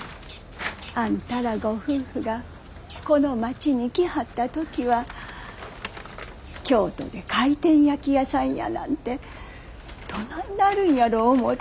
あんたらご夫婦がこの町に来はった時は京都で回転焼き屋さんやなんてどないなるんやろ思うたけど。